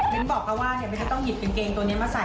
มันบอกเขาว่าไม่ได้ต้องหยิบกางเกงตัวนี้มาใส่